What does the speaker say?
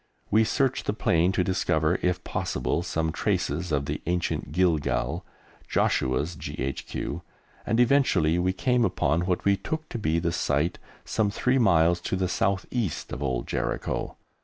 We searched the plain to discover, if possible, some traces of the ancient Gilgal, Joshua's G.H.Q., and eventually we came upon what we took to be the site, some three miles to the south east of Old Jericho.